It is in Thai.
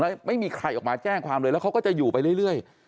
แล้วไม่มีใครออกมาแจ้งความเลยแล้วเขาก็จะอยู่ไปเรื่อย